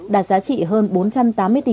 đạt giá trị hơn bốn trăm tám mươi tỷ